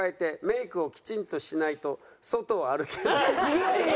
いやいや！